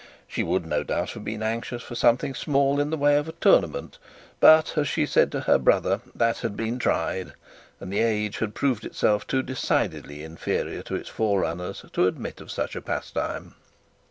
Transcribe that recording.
She would no doubt have been anxious for something small in the way of a tournament; but, as she said to her brother, that had been tried, and the age had proved itself too decidedly inferior to its fore runners to admit of such a pastime.